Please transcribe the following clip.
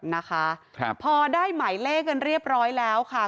นะคะครับพอได้หมายเลขกันเรียบร้อยแล้วค่ะ